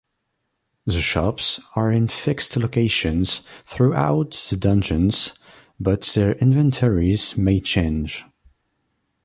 The shops are in fixed locations throughout the dungeons, but their inventories may change.